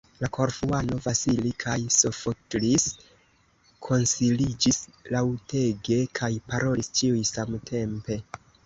La Korfuano, Vasili kaj Sofoklis konsiliĝis laŭtege kaj parolis ĉiuj samtempe.